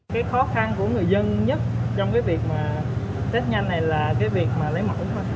cái khó khăn của người dân nhất trong cái việc mà test nhanh này là cái việc mà lấy mặt đúng không